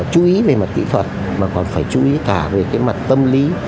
chú ý về mặt kỹ thuật mà còn phải chú ý cả về cái mặt tâm lý